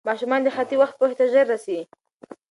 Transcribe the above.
ماشومان د خطي وخت پوهې ته ژر رسي.